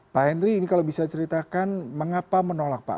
pak henry ini kalau bisa ceritakan mengapa menolak pak